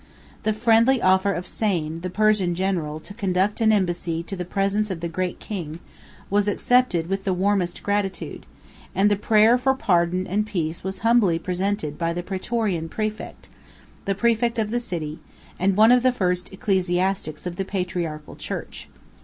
The friendly offer of Sain, the Persian general, to conduct an embassy to the presence of the great king, was accepted with the warmest gratitude, and the prayer for pardon and peace was humbly presented by the Praetorian præfect, the præfect of the city, and one of the first ecclesiastics of the patriarchal church.